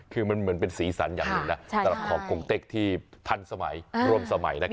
คือมันเหมือนเป็นสีสันอย่างหนึ่งนะสำหรับของกงเต็กที่ทันสมัยร่วมสมัยนะครับ